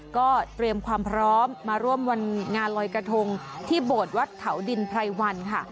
ก็เตรียมความพร้อมมาร่วมวันงานลอยกระทงที่โบสถ์วัดเขาดินไพรวันค่ะ